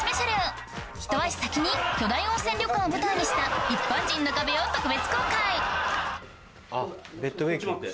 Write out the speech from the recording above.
ひと足先に巨大温泉旅館を舞台にした一般人の壁を特別公開あっベッドメイキング。